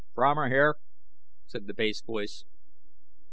"Fromer here," said the bass voice.